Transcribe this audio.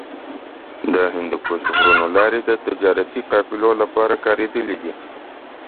د هندوکش غرونو لارې د تجارتي قافلو لپاره کارېدلې دي.